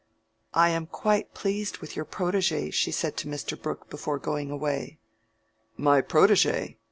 "I am quite pleased with your protege," she said to Mr. Brooke before going away. "My protege?